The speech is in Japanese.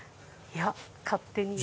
いや勝手に。